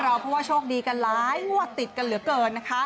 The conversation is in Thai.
เพราะว่าโชคดีกันร้ายวะติดกันเหลือเกิน